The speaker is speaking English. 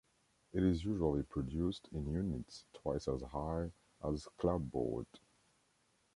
It is usually produced in units twice as high as clapboard.